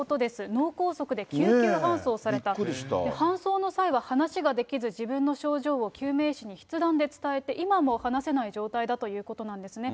搬送の際は話ができず、自分の症状を救命士に筆談で伝えて、今も話せない状態だということなんですね。